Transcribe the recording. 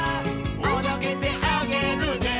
「おどけてあげるね」